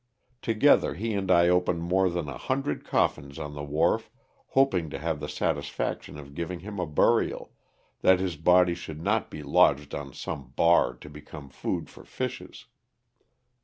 Together he and I opened more than a hundred coffins on the wharf, hoping to have the satisfaction of giving him a burial, that his body should not be lodged on some bar to become food for fishes.